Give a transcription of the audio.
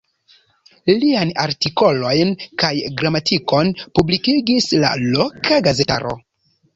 Liajn artikolojn kaj gramatikon publikigis la loka gazetaro.